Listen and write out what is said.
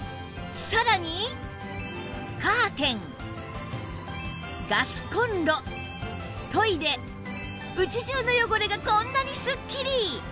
さらにカーテンガスコンロトイレ家中の汚れがこんなにスッキリ！